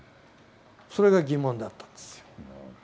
それが疑問だったんですよ。